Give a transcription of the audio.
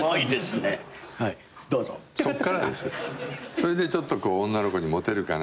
それでちょっと女の子にモテるかなとか。